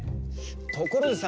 ところでさ